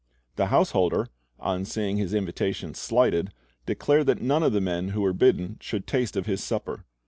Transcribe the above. The householder, on seeing his invitation slighted, declared that none of the men who were bidden should taste of his supper.